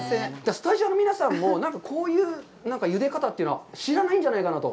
スタジオの皆さんも、なんかこういうゆで方というのは知らないんじゃないかなと。